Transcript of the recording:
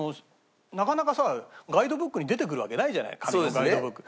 なかなかさガイドブックに出てくるわけないじゃない紙のガイドブック。